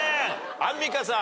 アンミカさん。